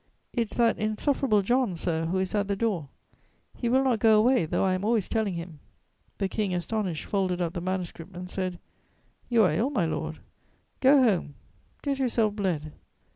"It's that insufferable John, sir, who is at the door; he will not go away, though I am always telling him." The King, astonished, folded up the manuscript and said: "You are ill, my lord; go home; get yourself bled."